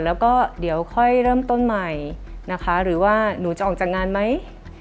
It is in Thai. แล้วก็เดี๋ยวค่อยเริ่มต้นใหม่นะคะหรือว่าหนูจะออกจากงานไหม